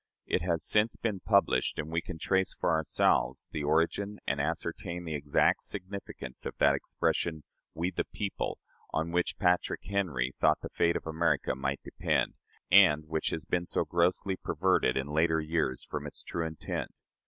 It has since been published, and we can trace for ourselves the origin, and ascertain the exact significance, of that expression, "We, the people," on which Patrick Henry thought the fate of America might depend, and which has been so grossly perverted in later years from its true intent.